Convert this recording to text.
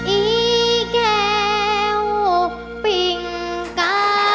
อีแก้วปิ่งกา